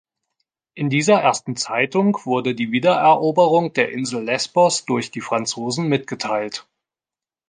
In dieser ersten Zeitung wurde die Wiedereroberung der Insel Lesbos durch die Franzosen mitgeteilt.